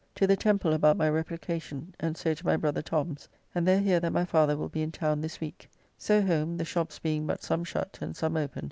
To the Temple about my replication, and so to my brother Tom's, and there hear that my father will be in town this week. So home, the shops being but some shut and some open.